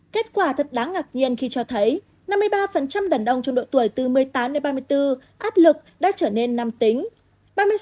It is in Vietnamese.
kết quả thật đáng ngạc nhiên khi cho thấy năm mươi ba đàn ông trong độ tuổi từ một mươi tám đến ba mươi bốn cát lực đã trở nên năm tính